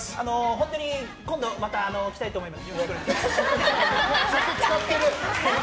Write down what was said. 本当に、今度また来たいと思います。